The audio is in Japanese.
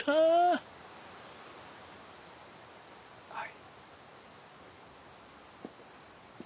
はい。